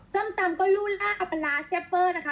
ตำก็รู้ล่าอัปลาแซ่ปเปิ้ลนะคะ